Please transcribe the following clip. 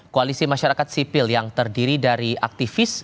koalisi masyarakat sipil yang terdiri dari aktivis